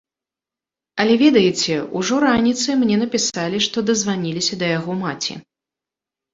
Але ведаеце, ужо раніцай мне напісалі, што дазваніліся да яго маці.